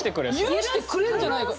許してくれんじゃないか。